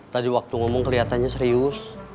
tadi waktu ngomong kelihatannya serius